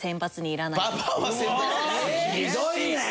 ひどいね！